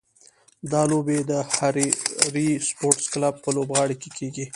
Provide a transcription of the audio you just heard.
دا لوبې به د هراري سپورټس کلب په لوبغالي کې کېږي.